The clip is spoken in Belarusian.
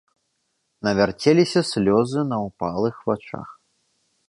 Навярцеліся слёзы на ўпалых вачах.